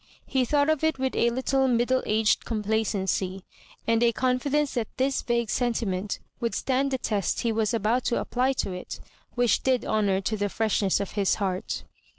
He thought of it with a little middle aged com placency, and a confidence that this vague senti ment would stand the test he was about to apply to it, which did honour to the freshness of his heart.